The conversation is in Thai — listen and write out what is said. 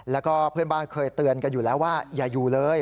แล้วก็เพื่อนบ้านเคยเตือนกันอยู่แล้วว่าอย่าอยู่เลย